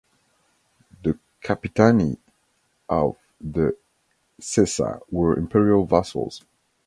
The "Capitani" of (de) Sessa were Imperial vassals.